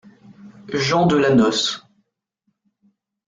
Gens de la noce.